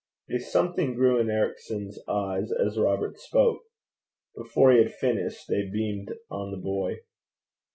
A something grew in Ericson's eyes as Robert spoke. Before he had finished, they beamed on the boy.